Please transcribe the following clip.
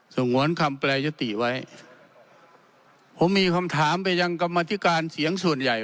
งวนคำแปรยติไว้ผมมีคำถามไปยังกรรมธิการเสียงส่วนใหญ่